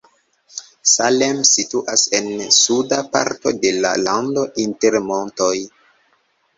Salem situas en suda parto de la lando inter montoj.